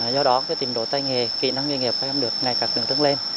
do đó cái tình độ tay nghề kỹ năng doanh nghiệp của em được ngày càng tương tức lên